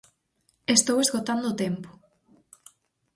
Estou esgotando o tempo.